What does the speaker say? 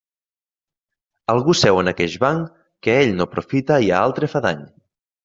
Algú seu en aqueix banc que a ell no aprofita i a altre fa dany.